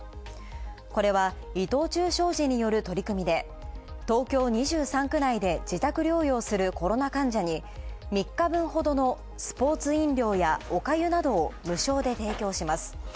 これは、伊藤忠商事の取り組みで、東京２３区ないで自宅療養者をするコロナ患者に３日分ほどのスポーツ飲料やおかゆを無償で提供します。